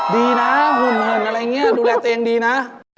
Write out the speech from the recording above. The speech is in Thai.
ดีนะหุ่นอะไรอย่างนี้ดูแลตัวเองดีนะ